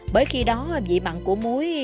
bởi khi đó vị mặn của muối